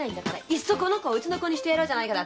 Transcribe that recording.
いっそこの子をウチの子にしてやろうじゃないか」